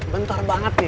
bentar banget nih